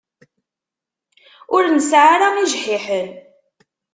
Ur nesɛi ara ijḥiḥen.